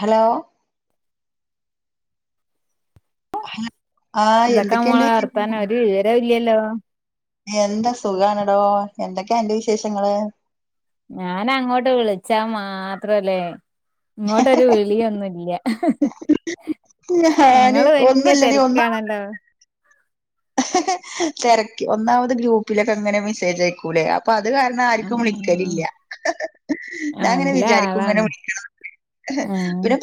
Hello ആ എന്തൊക്കാ മോളെ എന്തൊക്കെയുണ്ട് വർത്താനം ഒരു വിവരം ഇല്ലല്ലോ എന്താ സുഖണടോ എന്തൊക്കെയാ അന്റെ വിശേഷങ്ങള് ഞൻ അങ്ങോട്ട് വിളിച്ചാ മാത്രല്ലേ ഇങ്ങോട്ടൊരു വിളിയൊന്നുല്ല ഞാന് ങ്ങള് വല്യ ഒന്നുല്ലടി തിരക്കാണല്ലോ തിരക്കി ഒന്നാമത് ഗ്രൂപ്പിലൊക്കെ അങ്ങനെ മെസ്സേജ് അയക്കൂലേ അപ്പ അത് കാരണം ആർക്കും വിളിക്കലില്ല ആഹ് ഞാൻ അങ്ങനെ നല്ല വിചാരിക്കും ഇങ്ങനെ ആളാണ് വിളി ആ പിന്നെ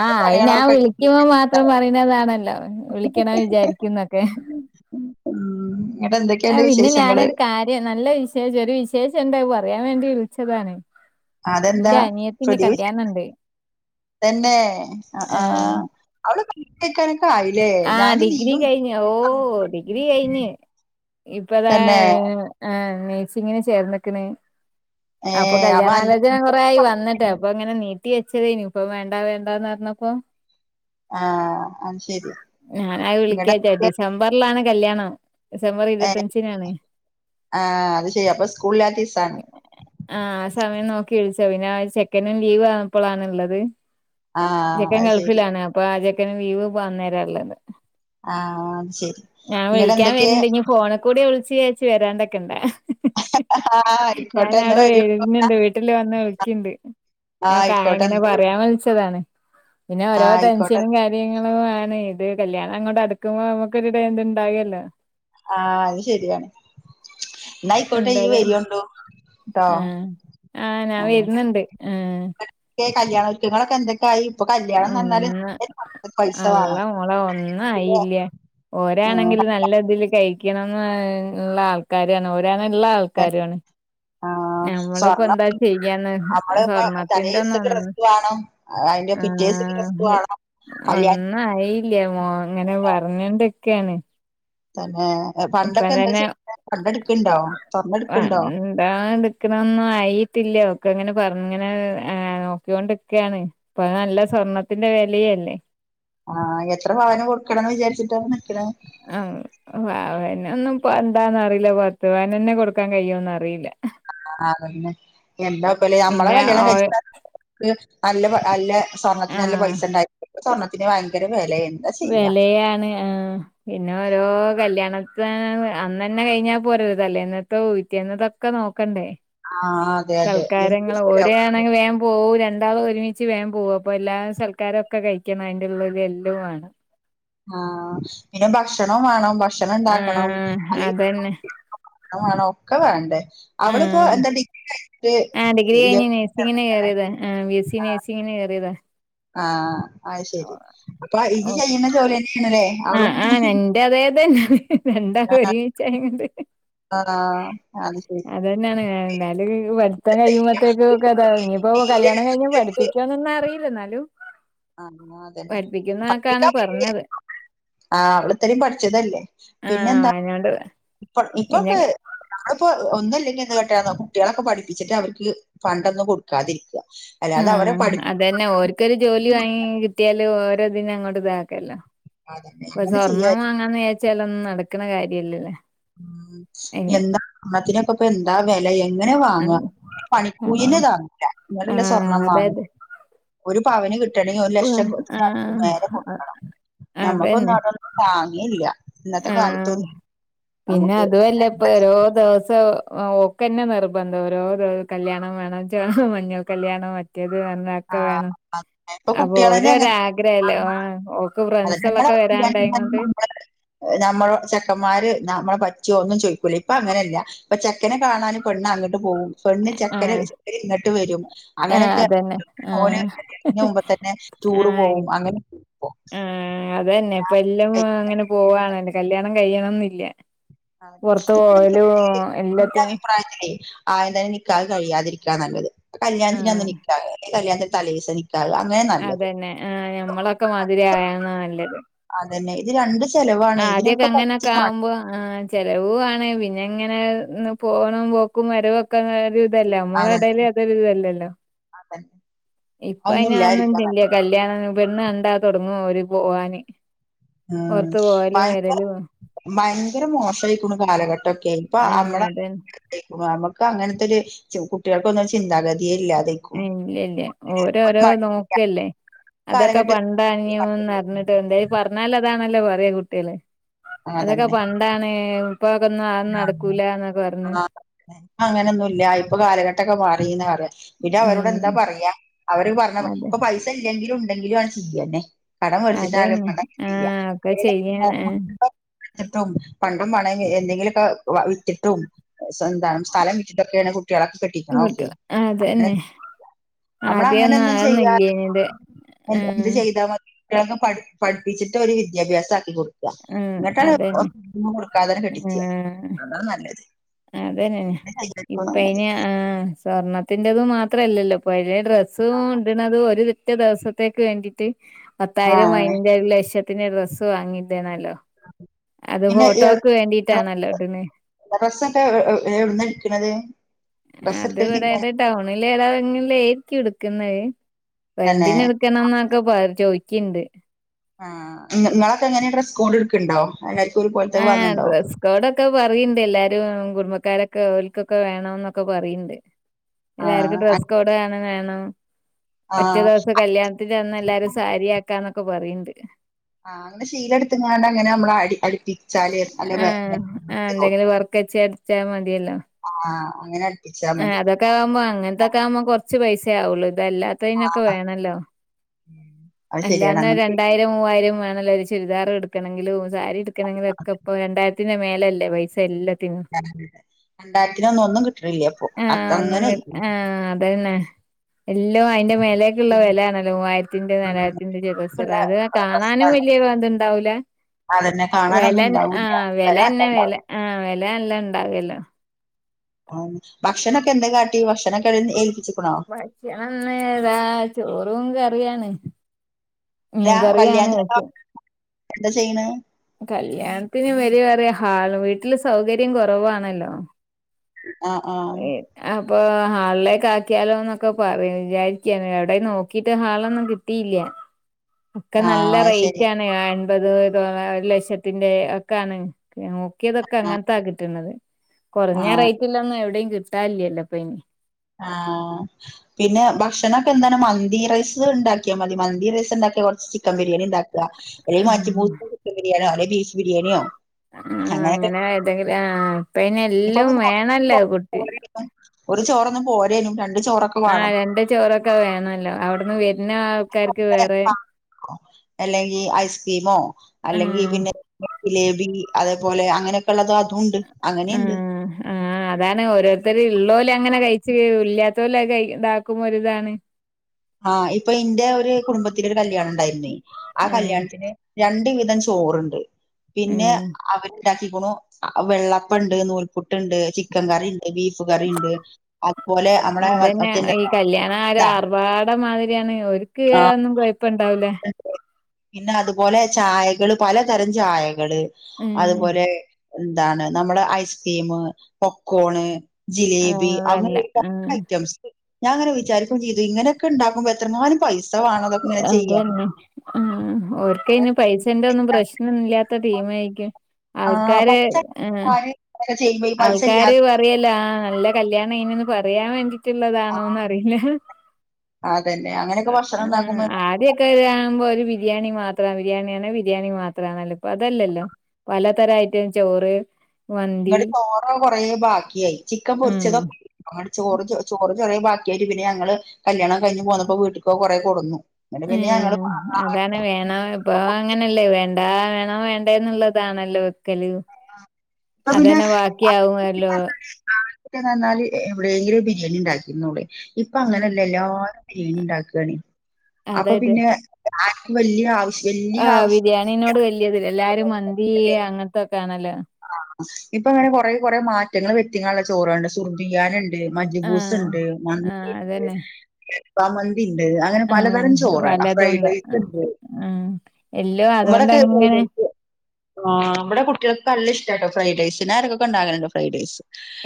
ആ അ ഞാൻ പണികളൊക്കെ കഴിഞ്ഞ്. വിളിക്കുമോ മാത്രം പറയുന്നതാണല്ലോ വിളിക്കണം വിചാരിക്കന്നൊക്കെ ഉം ഇങ്ങട്ട് ആ എന്തൊക്കെയുണ്ട് പിന്നെ വിശേഷങ്ങള് ഞാനൊരു കാര്യം നല്ല വിശേഷം ഒരു വിശേഷം ണ്ടായി പറയാൻ വേണ്ടി വിളിച്ചതാണ് അതെന്താ എന്റെ അനിയത്തിന്റെ പുതിയ വിശേഷം കല്യാണം ഉണ്ട് തന്നെ അ ആ അവള് ആയില്ലേ ആഹ ഞാനും ഡിഗ്രി നീയും കഴിഞ്ഞു ഓ ഡിഗ്രി കഴിഞ്ഞഞ് ഇപ്പതാ തന്നെ ആ നഴ്സിങ്ങിന് ചേർന്നക്കണ് ഏ അപ്പൊ അന്റെ കല്യാണാലോചന കൊറെ ആയി വന്നിട്ട് അപ്പൊ അങ്ങനെ നീ ട്ടി വെച്ചതേനി ഇപ്പ വേണ്ട വേണ്ടന്ന് പറഞ്ഞപ്പോ ആ [unintelligible] ഞാന ഇങ്ങടെ വിളിക്കാച്ച ഡിസംബറിലാണ് കല്യാണം ഡിസംബർ ഏ ഇരുപത്തഞ്ചിനാണ് ആ അത് ചെയെ അപ്പൊ സ്കൂളില ആത്തീസാണ് ന്ന ചെക്കനും ലീവ്പ്പോഴാണ്ുള്ളത് ആ ചെക്കൻ അത് ശരി ഗൾഫിലാണ് അ എ വീവ് പോന്നേരം ഉള്ളത് ആ അത് ശരി ഞാൻ ഇങ്ങടെ വിളിക്കാൻ എന്തൊക്കെ വരണ്ട് ഇനി ഫോണിൽ കൂടെ വിളിച്ചച്ച് ചച്ചു വരാണ്ടൊക്കെ ഇണ്ടാ ആ ആയിക്കോട്ടെ ഞൻ എന്നാ അവിടെ വരുണ്ടോ എഴുന്നുണ്ട് വീട്ടില് വന്ന് വിളിക്കിണ്ട് ഞമക്ക് ആ ആയിക്കോട്ടെ എങ്ങനെ എന്നാ വരൂ പറയാൻ വിളിച്ചതാണ് പിന്നെ ആ ഓരോ ആയിക്കോട്ടെ ടെൻഷനും കാര്യങ്ങളും ആ ഇത് കല്യാണം അങ്ങോട്ട അടുക്കുമ്പോ നമുക്കൊരിട എന്തുണ്ടാവല്ലോ ആ അത് ശരിയാണ് എന്നയിക്കോട്ടെ വരിോണ്ടോ ആ ആ ഞാൻ വരുന്നുണ്ട് ആ കല്യാണം ഒരുകങ്ങൾ എന്തൊക്കെയായി ഇപ്പൊ കല്യാണം എന്ന് പറഞ്ഞാല് അന്ന് നല്ല പൈസ അള്ള വേണം മോളെ ഒന്നു പിന്നെ ആയില്യ ഉം ഓരാണെങ്കില് നല്ലതില് കഴി ക്കണംന്ന് ള്ള ആൾക്കാരുആണ് ഓരാണെ ഇള്ള ആൾക്കാരുആണ് ആ സ്വർണം അമ്മള്പ്പ തലേ സ്വർണത്തിന്റെ ഒന്നും ദിസൊക്കേ ഒന്നും ഡ്രസ് വാണം അയ്ന്റെ പിറ്റേസ്ഥക്ക് ഡ്രസ്സ് വാണം ഒന്നു ആയീല്യാ മോ ഇങ്ങനെ പർഞ്ഞൂണ്ട്ക്കാണ് തന്നെ ഇപ്പ പണ്ടൊക്കെ എന്താ തന്നെ ചെയ്യ പണ്ടെടുക്കണ്ടോ സ്വർണ്ണെടുക്കണ്ടോ വാണ്ടാണ്ട്ക്ക്ണന്നാ ആയിട്ടില്ല ഓക്കങ്ങനെ പർഞ്ഞിങ്ങനെ നോക്യോണ്ട്ക്കാണ് ഇപ്പൊ നല്ല സ്വർണ്ണത്തിന്റെ വെലിയല്ലേ ആ എത്ര പവനം കൊടുക്കണംന്ന് വിചാരിച്ചിട്ടാണ് നിക്ക്ണേ ആ പവനൊന്നും ഇപ്പന്താന്നറീല പത്ത് പവനെന്നെ കൊടുക്കാൻ കഴിയോന്ന് അറീല ആ അതന്നെ എന്താപ്പലേ അമ്മളെ പിന്നെ കല്യാണം ഓ കഴിച്ച [unintelligible] നല്ല നല്ല സ്വർണ്ണത്തിന് നല്ല ആഹ് പൈസണ്ടായി ഇപ്പൊ സ്വർണത്തിന് ഭയങ്കര വില എന്താ ചെയ്യാ വെലയാണ് ആ പിന്നെ ഓരോ കല്യാണ ദ്യോനം അന്നന്നേ കഴിഞ്ഞാ പോരല്ലോ തലേന്നത്തോ പിറ്റേന്നത്തൊക്കെ നോക്കണ്ടേ ആഹ് അതെ അതെ എന്ത് സൽക്കാരങ്ങള് ചെലവാ ഓരാണെങ്കി വേം പോവും രണ്ട് ളും ഒരുമിച്ച് വേം പോവും അപ്പോ എല്ലാ സൽക്കാരൊക്കെ കഴിക്കണം ഐൻ്റുള്ള്ല് എല്യൊം വാണം ആ പിന്നെ ഭക്ഷണം വേണം ഭക്ഷണം ഇണ്ടാക്കണം ആഹ് അല്ലെ അതന്നെ വേണം ഒക്കെ വേണ്ടേ അവളിപ്പോ ആഹ് എന്താ ഡിഗ്രീ ആഹ് ഡിഗ്രി കഴിഞ്ഞ് നേഴ്സിങ്ങിന് [unintelligible] കേറിയതാ ആഹ് ബി എസ് സി നേഴ്സിങ്ങിന് കേറിയതാ ആ അത് ശെരി അപ്പൊ ഇയ്യ് ഓഹ് ചെയ്യ്ണ ജോലിന്നേണ്ലേ ആഹ് ആ എന്റെ അതേതന്നേണ് രണ്ടാളും ഒരുമീച്ചായോണ്ട് അ [unintelligible] അതന്നേണ് എന്നാലും പഠിത്തം കഴിയുമ്പോത്തേക്കൊക്കേ താവുഞ്ഞി ഇഞ്ഞിപ്പോ തീരെ കല്യാണം കഴിഞ്ഞ പഠിപ്പിക്കോ തൊന്നറീല ന്നാലും ആ അതന്നെ പഠിപ്പിക്കുന്നൊക്കാണ് പഠിപ്പിക്കാതി പറഞ്ഞത് [unintelligible] ആ അവള് ഇത്രീം പഠിച്ചതല്ലേ പിന്നെ ആഹ് എന്താ വയനാട് ഇപ്പൊ പിന്നെ ഇപ്പൊക്കെ ഞങ്ങള്പ്പോ ഒന്നുല്ലെങ്കി എന്ത് കാട്ടാന്നോ കുട്യാളൊക്കെ പഠിപ്പിച്ചിട്ട് അവർക്ക് പണ്ടൊന്നും കൊട്ക്കാതിരിക്കാ ആ അതന്നെ ഓര്ക്കൊരു ജോലി ക്ക് വാങ്ങി കിട്യാല് ഓരെ ഇതിന് അങ്ങോട്ട്താക്കല്ലോ അതന്നെ ഇപ്പം അങ്ങനെ സ്വർണം ചെയ്യായിരുന്നു വാങ്ങാന്ന് വിജാര്ച്ചാലൊന്നും നടക്ക്ണ കാര്യല്ലല്ലേ ഉം എന്താ സ്വർണത്തിനക്കപ്പൊ എന്താ വെല എങ്ങനെ വാങ്ങ ആഹ് പണിക്കൂല്യന്നെ താങ്ങൂല ഇങ്ങട്ടല്ലേ ആഹ് സ്വർണ്ണം വാങ്ങ അതായത് ഒരു പവന് കിട്ടണെങ്കി ഒരു ലക്ഷം ത്തിൻ്റടുത്ത് ആഹ് മേലെ കൊട്ക്കണം ഞമ്മക്കൊന്നും അതന്നെ അതൊന്നും താങ്ങില്ല ഇന്നത്തെ ആഹ് കാൽത്തൊന്നും പിന്നെ അതുഅല്ല ഇപ്പൊ ഓരോ ദിവസ ആ ഓക്കെന്നെ നിർബന്ധം ഓരോ കല്യാണം വേണം ചൊ മഞ്ഞൾ കല്യാണം മറ്റേ ഏത് തന്നെ ആ, ആക്കെ വേണം അങ്ങനെ. ഇപ്പൊ അപ്പൊ കുട്യാളന്നെ ഓരോരാഗ്രഹല്ലേ [unintelligible] ആഹ് ഓക്ക് ഫ്രണ്ട്സുകളൊക്കെ വരാണ്ടായിങ്ങോണ്ട് നമ്മള് ചെക്കന്മാര് നമ്മ പറ്റിയോ ഒന്നും ചോയ്ക്കൂല ഇപ്പൊ അങ്ങനെല്ല ഇപ്പ ചെക്കനെ കാണാന് പെണ്ണ് അങ്ങട്ട് പോവും പെണ്ണ് ചെക്കനെ ആഹ് [unintelligible] ഇങ്ങട്ട് വെരും ആഹ് അങ്ങനൊക്കെ അതന്നെ ഓന് ആഹ് ഇതിന് മുമ്പ്തന്നെ ടൂറ് ആഹ് പോവും അങ്ങനൊക്കേനിപ്പം ആഹ് അതന്നെ ഇപ്പം എല്ലൊം അങ്ങനെ പോവാണല്ലോ കല്യാണം കഴിയണംന്നില്ല അതന്നെ പുറത്ത് പോവലും [unintelligible] ഇന്റെ എല്ലാത്തിനും അഭിപ്രായത്തിലേ ആദ്യതന്നെ നിക്കാഹ് കഴിയാതിരിക്കാ നല്ലത് കല്യാണത്തിൻ്റന്ന് ആഹ് നിക്കാഹ് ഈ കല്യാണത്തിന്റെ തലേസം നിക്കാ അതന്നെ ആ ഞമ്മളൊക്കെ മാതിരി ആയാന്നാ നല്ലത് അതന്നെ ഇത് രണ്ട് ചെലവാണ് ആ ആദ്യൊക്കെ ഇതിനൊക്കെ അങ്ങനെയൊക്കെ പൈസയും ആവുമ്പോ വാണ്ടേ ആ വരവുാണ് പിന്നെ ഇങ്ങനെ പോണംും പോക്കും മരവൊക്കെ ന ഇതല്ലേ നമ്മള അതന്നെ ഇടൽ അതൊരി ഇതല്ലല്ലോ അതന്നെ ഇപ്പ അതൊന്നും ഇല്ലാതിരിക്കാ നല്ലത് അയിന്ന്നുംണ്ടില്ല കല്യാണം പെട കണ്ടാ തുൊടങ്ങുവഓര് പോവാാന് ഉം ഓറത്ത് പോയാലും ഭയങ്കര വരലും ഭയങ്കര മോശമായിരിക്കണ് കാലഘട്ടൊക്കെ ഇപ്പൊ ആഹ് അമ്മടെ അതന്നെ. അങ്ങനത്തെ ഒരു കുട്ടികൾക്കൊന്ന ചിന്താഗതി ഇല്ല ഇല്ല ഓരോ ഒരു രോ മടിയില്ല നോക്കല്ലേ അതൊക്കെ കാലഘട്ട പണ്ടഞ്ഞുന്ന്റിഞ്ഞിട്ട് വണ്ട്ത് പറഞ്ഞാൽ അതാണല്ലോ പറയാ കുട്ടികല് അതൊക്കെ അതന്നെ പണ്ടാണ് ഇപ്പൊക്കെ ഒന്നും അന്നും നടക്കൂലന്നൊക്കെ പറഞ്ഞഞ് അങ്ങനെയൊന്നുമ ഇല്ല ഇപ്പൊ കാലഘട്ടൊക്കെ മാറിന്ന് പററ പിന്നെ അവരോട് ഉം. എന്താ പറയാ അവര് പറഞ്ഞ അതെ ഇപ്പൊ പൈസ ഇല്ലെങ്കിലും ഉണ്ടെങ്കിലും ആണ് ചെയ്യന്നെ കടം പടിച്ചിട്ടാലടി അതന്നെ ആഹ് ഒക്കെ ചെയ്യാൻ ആ പണ്ട എന്തെങ്കിലൊക്കെ വിട്ടിട്ടും എന്ത സ്ഥലം വിട്ടിട്ടൊക്കെയ ളക്ക് കെട്ടിക്കണം ഓക്കെ കിട്ടും അങ്ങനെ അതന്നെ നമ്മള അങ്ങനെ ആദ്യൊന്നും ഒന്നും അതൊന്നും ചെയ്യാ ഇല്ലേനിത് ആഹ് എന്ത് ചെയ്താ മതി പഠിപ്പിച്ചിട്ട് ഒരു വിദ്യാഭ്യാസ ആക്കി കൊടുു ആഹ് അതന്നെ എന്നങ്ങിട്ടാണ് കൊടുക്കാതന്നെ കെട്ടിച്ച അതാണ് നല്ലത് അതന്നെന്നെ ഇപ്പ നല്ലത് ഇന് ആ സ്വർണത്തിറതുും മാത്രല്ലല്ലോ പ ഡ്രസ്സും ഉണ്ടത് ഒരു തറ്റ ദിവസത്തേക്ക് വേണ്ടിട്ട് പത്തായിരം ആഹ് അൈന്റെ ഒരു ലക്ഷ പത്തിെ ഡ്രസ്സ് വാങ്ങിട്ടേല്ലോ അത് പിന്നെ ഫോട്ടോക്ക് വേണ്ടിട്ടാണല്ലോട്ടന് എവിടുന്നരിക്കുന്നത് അത് ഇവിടെ ഏത ടൗണില ഏതാങ്ങിലയിരിക്കും എടുക്കുന്നത് തന്നെ വെണ്ടിന എടുക്കണംന്നൊക്കെ ചോയ്ിക്കിണ്ട് ആ നിങ്ങളൊക്കെ എങ്ങനെയ സ്കൂൾ എടുക്കണ്ടോ ഒരു പോലത്തെ ആ വാങ്ങണ്ടോ ഡ്രസ്സ് കോഡൊക്കെ പറയണ്ട് എല്ലാരും കുടുംബക്കാരൊക്കെ ലക്കൊക്കെ വേണംന്നൊക്കെ പറയിണ്ട് ആ ഇതർക്ക്ും ആ ഡ്രെസ്സ് കോഡ് വണം വേണം ഒറ്റ ആ ദിവസ കല്യാണത്തിൽ ചന്ന എല്ലാരും സാരിയാക്കാന്നൊക്കെ പറയണ്ട് ആ അങ്ങെ ശീല എടുങ്ങാണ്ട് അങ്ങനെ നമ്മ ിച്ചാല് അല ടിച്ചാൽ മതിയല്ലോ അങ്ങനെ അടുപ്പിച്ചാ മതി അതൊക്കെ ആുമ്പോ അങ്ങനത്തൊക്കെ ആവുമ്പോ കുറു പൈസ ആുള്ളൂത് അതല്ലാത്തതിനൊക്കെ വേണല്ലോ അത് ശരിയാണ് അല്ലാന്ന അങ്ങനെ രണ്ടായിരം മൂവായിരം വേ നല്ലരു ചുരിദാർ എടുക്കണെിലും സാരി എടുക്കണെിലും ഒക്കെ ഇപ്പൊ രണ്ടായിരത്തിന്റെ മേലല്ലേ പൈസ എല്ലാം രണ്ടായിരത്തിനൊന്നും ഒന്നും കിട്ടണില്ല അപ്പൊ ആ അത് ഒന്ന അങ്ങനെ ആ അതന്നെ എല്ലോ അതിന്റെ മേലേക്കുള്ള വില ആണല്ലോ മൂവായിരത്തിന്റെ നാലായിരത്തിന്റെറെ ചിലസര അത് കാണാനും വലിയ എതു ഉണ്ടാവലേ അെ വിലന്ന ആ വിലന്നെ വില ആ വിലയല്ല ഉണ്ടാവല്ലോ ആ ഭക്ഷണൊക്കെ എന്തെ കാട്ടി ഭക്ഷണൊക്കെ ഏൽപ്പിച്ച ഭക്ഷണംന്ന് ഏതാ ചോറും കറിയാണ് ഉം അല്ല കറിയാന കല്യാണത്തിന് വെച്ച എന്താ എന്താ ചെയ്യണ കല്യാണത്തിനന് വരിേറിയ ഹാ വീട്ടില് സൗകര്യം കുറവാണല്ലോ ആഹ ആഹ അപ്പൊ ഹാളിലേക്ക് ആക്കിയാലോ എന്നൊക്കെ പറ വിചാരിക്ക എവിടെ നോക്കിട്ട് ഹാളൊന്നും കിട്ടിയില്ലേ [unintelligible] ഒക്കെ നല്ല ആഹ് റേറ്റ ശരി ആണ് എൺപത് ലക്ഷത്തിന്റെ ഒക്ക ആാണ് നോക്കിയതൊക്കെ ആഹ് അങ്ങനത്തൊ കിട്ടത് കുറഞ്ഞ ആഹ് റേറ്റല്ലന്ന് എവിടെയും ക താല എല്ല പനി ആഹ പിന്നെ ഭക്ഷണൊക്കെ എന്താണ് മന്തി റൈസ് ഉണ്ടാക്കിയാൽ മതി മന്തി റൈസ് ഉണ്ടാക്കിയ ചിക്കൻ ബിരിയാണി ഉണ്ടാക്കുക അല്ലേ മഞ്ു മൂസ ആഹ് ചിക്കൻ ബിരിയാണിയോ അെ ബഫ ബിരിയാണിയോ ആ അങ്ങനെയൊക്കെ അങ്ങനെ ഏതെങ്കിലും ആ അനെ ഇപ്പൊ എല്ലാം പിന്നെ വേണല്ലോ കുട്ടി പോുംണ്ട ആഹ രണ്ട ചോറൊക്കെ വേണല്ലോ അവിടുന്ന് വരുന്ന ആൾക്കാർക്ക് ഇങ്ങനെ വേറെ ആണോ? അല്ലെങ്കിൽ ഐസ്ക്രീമോ അല്ലെങ്കിൽ ആഹ് പിന്നെ ജിലേബി അതേപോലെ അങ്ങനെയൊക്കെയുള്ളള്ള ഉം ആ അതാണ് ഓരോരുത്തർ ഉള്ളല അങ്ങനെ കഴിച്ച ഇല്ലാത്തല ക ഇതാക്കുമ്പോരി ഇതാണ് ആഹ ഇപ്പൊ ഇന്റെ ഒരു കുടുംബത്തി ഒരു കല്യാണം ഉണ്ടായിരുന്നേ ആ ഉം കല്യാണത്തിന് രണ്ട് വിധം ചോറുണ്ട് പിന്നെ ഉം അവര് ഉണ്ടാക്കിിക്കണ വെള്ളപ്പ ഉണ്ട് നൂൽപുട്ട ഉണ്ട് ചിക്കൻ കറി ഉണ്ട് ബീഫ് കറി ഉണ്ട് അതുപോലെ നമ്മടെ അതന്നെ മല്ല എ മാതിരിയാണ് ഒക്ക് ഒന്നും കൊഴപ്പം ഇണ്ടാവലേ ഉണ്ട്. പിന്നെ അതുപോലെ ചായകള് പലതരം ചായകള് ഉം അതുപോലെ എന്താണ് നമ്മള് ഐസ്ക്രീം പോകോണ് ജിലേബി അങ്ങനെൊ അതല്ല ഒരു പല ഉം ഐറ്റംസ് ഞാൻ അങ്ങനെ വിചാരിക്കം ചെയ്തു ഇങ്ങനെയൊക്കെ ഉണ്ടാക്കുമ്പോ എത്രനാലും അതന്നെ ആ ഓക്ക ഇനി പൈസന്റെ ഒന്നും പ്രശ്നല്ലാത്ത ഇ ടീം ആയിരിക്കും ആ ആൾക്കാര് പൈസ ഏ കാര്യങ്ങളൊക്കെ ചെയ്യുമ്പോ ഈ പൈസ ആൾക്കാര് ഇല്ലാതെ പറയല്ല നല്ല കല്യാണം ഇനൊന്ന് പറയാൻ വേണ്ടി മറ്റുള്ളതാണോന്നറിയില്ല അതന്നെ അങ്ങനെയൊക്കെ ഭക്ഷണം ഉണ്ടാക്കുമ്പോ ആരൊക്കെകുമ്പോ ഒരു ബിരിയാണി മാത്ര ബിരിയാണിയ ആണ ബിരിയാണി മാത്രം നല്ലപ്പ അതല്ലല്ലോ പലതരംയിട്ടും ചോറ് മന്തി കൊറ ബാക്കിയായി ചിക്കൻ ഉം പൊരിച്ചത ചോറ് ചോറ് ചെറേ ബാക്കിയര് പിന്നെ ഞങ്ങള് കല്യാണം കഴിഞ്ഞ് പോന്നപ്പോ വീട്ടിൽക്ക കൊറെ കൊന്നു ഉം അതാണ് വേണ ഇപ്പൊ അങ്ങനെയല്ലേ വേണ്ട എന്താ വേണം വേണ്ട എന്നുള്ളതാണല്ലോ ല് ഇപ്പൊ പിന്നെ അതന്നെ ബാക്കിയാവുല്ലോ റ്റ നന്നാല് എവിടെയങ്കര ഒരു ബിരിയാണി ഉണ്ടാക്കിരരുന്നുൂളൂ ഇപ്പൊ ഉം അങ്ങനെയല്ല എല്ലാരും ണ ഉണ്ടണ അപ്പൊ പിന്നെ വ ആവശ്യ ആ് ബിരിയാണിനോട് വല്ിയതില്ല എല്ലാരും മന്തി അങ്ങനത്തെൊക്കെ ആണല്ലോ ആ ഇപ്പൊ അങ്ങനെ കൊറ കുറെ മാറ്റങ്ങൾ വ്യക്തിങ്ങുള്ള ചോറ ഉണ്ട് ശുർദിക്കാനുണ്ട് ആഹ് മജ്ജബൂസ്ണ്ട് മന്തി ആഹ് അതന്നെ. ണ്ട് ണ്ട് അങ്ങനെ ആഹ് പലതരം ചോറ ഫ്രൈഡ് പലതുണ്ട് റൈസ് ഇണ്ട് ആഹ് എല്ലും വടക്കേ അതോണ്ടങ്ങനെ [inaudible] ആഹ് ഇവിടെ കുട്ടികൾക്ക് നല്ല ഇഷ്ടട്ടോ ഫ്രൈഡ് റൈസ്. ഞാൻ എടക്കൊക്കെ ഉണ്ടാക്കലുണ്ട് ഫൈഡ് റൈസ്.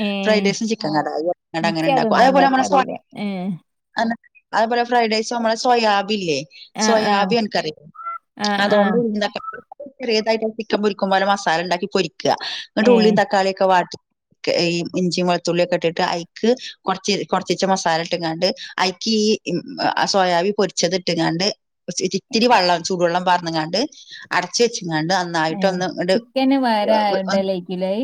ഏഹ് ഫ്രൈഡ് റൈസും ചിക്കൻ കടായി അങ്ങനെ ഉണ്ടാക്കും എനിക്കതൊന്നും അതേപോലെ നമ്മള സ്വാ ഉണ്ടാക്കാറില്ല. ഏഹ് അന്ന അത് പൊലെ ഫ്രൈഡ് റൈസും സോയ ആബി ഇല്ലേ ആഹ് സോയ ആഹ് ആബി അനകറിലെ ആഹ് ആഹ് അതുകൊണ്ടും ചെറിയതായിട്ട് ചിക്കൻ പൊരിക്കുമ്പ പോലെ മസാല ഉണ്ടാക്കി പൊരിക്കുക അങ്ങിട്ട ഏഹ് ഉള്ളിയും തക്കാളിയൊക്കെ വാട്ടി ഈ ഇഞ്ചി വെളുത്തുള്ളി ഒക്കെ ഇട്ടിട്ട് ഐക്ക് കൊറച്ച് കൊറച്ചിച്ചെ മസാല ഇട്ട്ങ്ങാണ്ട് അയ് ക്ക് ഈ ആ സോയാബി പൊരിച്ചത് ഇട്ട് കാണ്ട് ഇത്തിരി വെള്ളം ചൂടുവെള്ളം പാറ്ന്കാണ്ട് അടച്ച വെച്ചങ്ങാണ്ട് നന്നായിട്ട ഒന്ന് ഇ ഇ ഉണ്ട ലേക്കില്ലൈ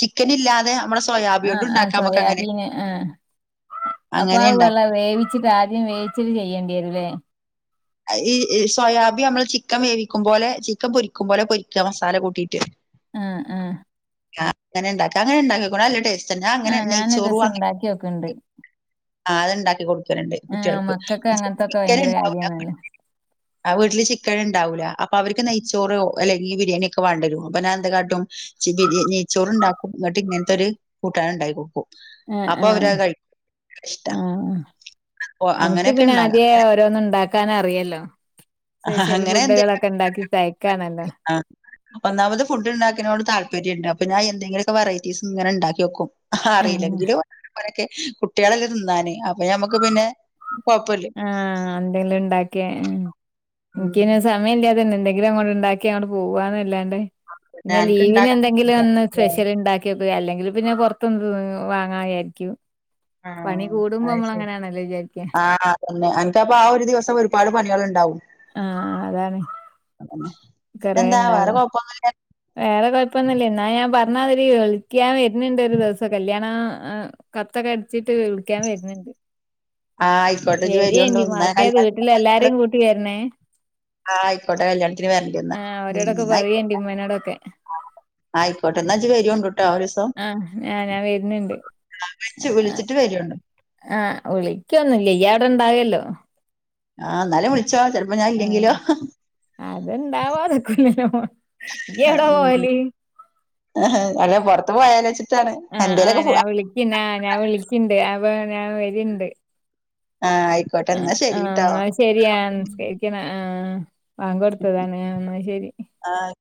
ചിക്കൻ ഇല്ലാതെ നമ്മടെ ആഹ ആഹ സോയാബീന് ആഹ അപ്പൊ അങ്ങനെ അത് വെള്ളം ഉണ്ടാക്കാം വേവിച്ചിട്ട് ആദ്യം വേവിച്ചിട്ട് ചെയ്യേണ്ടി വരുല്ലേ. ഈ ഇ സൊയാബി നമ്മള് ചിക്കൻ വേവിക്കും പോലെ ചിക്കൻ പൊരിക്കും പോലെ പൊരിക്കുക മസാല കൂട്ടിയിട്ട്. ആ ആ ആ അങ്ങനെ ഇണ്ടാക്ക അങ്ങനെ ഉണ്ടാക്കിക്കോ നല്ല ടേസ്റ്റാ ഞാ അങ്ങനെ ആഹ് ഞാനൊരു നെയ്ച്ചോറ് ദിവസം വാങ്ങി ഉണ്ടാക്കി നോക്കണ്ട് ആ അത്ണ്ടാക്കി കൊടുക്കലുണ്ട് ആഹ് കുട്ടികൾക്ക് മക്കൾക്ക് ചി അങ്ങനത്തൊക്കെ ചിക്കൻ ഭയങ്കര ഉണ്ടാവില്ല. കാര്യാണല്ലോ ആ വീട്ടില് ചിക്കൻ ഇന് ണ്ടാവല അപ്പൊ അവർക്ക് നെയ്ച്ചോറ് അല്ലെങ്കിൽ ബിരിയാണി ഒക്കെ വേണ്ടരു അപ്പൊ ഞാ എന്ത് കാട്ടും ചി ബിരി നെയച്ചോറു ഉണ്ടാക്കും എന്നിട്ട് ഇങ്ങനത്തൊരു കൂട്ടാൻ ഉണ്ടായിക്കോട്ക്കും. ആ ആ ഇഷ്ടാ ആഹ് ഓ എനിക്ക് അങ്ങനെയൊക്കെ പിന്നെ ഉണ്ടാകാം ആദ്യേ ഓരോന്നും ഉണ്ടാക്കാന് അറിയല്ലോ. സ്പെഷ്യൽ അങ്ങനെ എന്തെങ്കിലും ഫുഡുകളൊക്കെ ഉണ്ടാക്കി തയ്ക്കാണല്ലോ. അപ്പൊന്നാമത് ഫുഡ്ണ്ടാക്കിനോട് താല്പര്യണ്ട് ഇപ്പ ഞാ എന്തെങ്കിലുമൊക്കെ വെററ്റീസ് ഇങ്ങനെണ്ടാക്കി നോക്കും ആഹ് ആറിയില്ലെങ്കിലും ങ്ങനക്കെ. കുട്ടികളെല്ലേ തിന്നാന് അപ്പൊ ഞമ്മക്ക് പിന്നെ കൊഴപ്പല്ല ആ എന്തെലും ഉണ്ടാക്കിയ എ ഉം എനിക്കിന്നെ സമയം ഇല്ല അതന്നെന്തെങ്കിലും അങ്ങോട്ട് ഉണ്ടാക്കി അങ്ങട്ട് പോവാന്നല്ലാ പിന്നെ അനക്ക് ലീവിന് ഇണ്ടാക്കാൻ എന്തെങ്കിലും ഒന്ന് ല്ലേ സ്പെഷ്യൽ ഉണ്ടാക്കിവ അല്ലെങ്കിൽ പിന്നെ പുറത്ത് [unintelligible] വാങ്ങായായിരിക്കും പണി ആഹ് കൂടുമ്പോ നമ്മള് അങ്ങനെയാണല്ലോ വിചാരിക്ക. അന്നെ എനിക്കപ്പ ആ ഒരു ദിവസം ഒരുപാട് പണികളുണ്ടാവും. ആ അതാണ്. കൊറേ ഇന്തെന്താ ഇണ്ടാവും വേറെ കുഴപ്പൊന്നുല്ല. വേറെ കുഴപ്പൊന്നില്ല എന്നാ ഞാൻ പറഞ്ഞ [unintelligible] വിളിക്കാൻ വരുന്നുണ്ട് ഒരു ദിവസം കല്യാണ അ കത്തൊക്കെ അടിച്ചിട്ട് വിളിക്കാൻ വരുന്നുണ്ട്. ആ ആയിക്കോട്ടെ ജ് വരുണ്ടു വരേണ്ടി മറക്കരുത് വീട്ടിലെ [unintelligible] ഇങ്ങള്. എല്ലാരേം കൂട്ടി വരണേ ആ ആയിക്കോട്ടെ കല്യാണത്തിന് വരണ്ടിന്ന് ആഹ് അവരോടൊക്കെ ന്നാ ആയിക്കോട്ടെ. പറയേണ്ടി ഉമ്മനോടൊക്കെ ആയിക്കോട്ടെ എന്നാജ് വരിയണ്ട്ട്ടോ ഒരുസം ആഹ് ആഹ് ഞാൻ വരുന്നുണ്ട് ആ വിളിച്ചു വിളിച്ചിട്ട് വരുണ്ടു ആ വിളിക്കൊന്നും ഇല്ല ഈയ് അവിടെ ഇണ്ടാവല്ലോ. ആ എന്നാലും വിളിച്ചോ ചെലപ്പോ ഞാൻ ഇല്ലെങ്കിലോ. അത് ണ്ടവത്താക്കൂലല്ലോ [unintelligible] ഈയെവിടെ ഉം പോവല് അല്ല പുറത്ത് പോയാലോച് - ആ ആ ഞാൻ വിളിക്കന് ആ ഞാൻ വിളിക്ക്ണ്ട് അപ്പൊ ഞാൻ വര്ണ്ട്. ആഹ് ആയിക്കോട്ടെ ആ ന്നാ ആ ശരിട്ടോ എന്നാ ശരി ആ നിസ്കരിക്കണ ആ വാങ്ക് കൊടുത്തതാണ് എന്നാ ശരി ആഹ്